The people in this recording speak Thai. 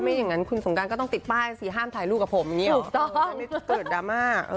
ไม่อย่างนั้นคุณสงกรานก็ต้องติดป้ายสิห้ามถ่ายรูปกับผม